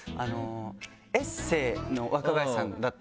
エッセイの若林さんだったんですよ